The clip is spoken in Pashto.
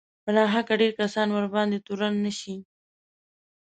په ناحقه ډېر کسان ورباندې تورن نه شي